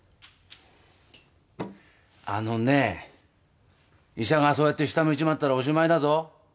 あのねー医者がそうやって下向いちまったらおしまいだぞ